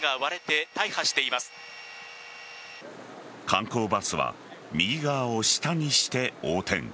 観光バスは右側を下にして横転。